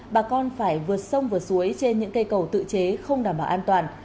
bà con phải vượt sông và suối trên những cây cầu tự chế không đảm bảo an toàn